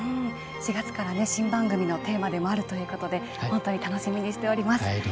４月から新番組のテーマでもあるということで本当に、楽しみにしています。